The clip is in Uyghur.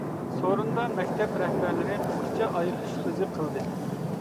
سورۇندا مەكتەپ رەھبەرلىرى قىسقىچە ئايرىلىش سۆزى قىلدى.